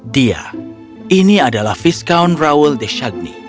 dia ini adalah viscount raoul deshagny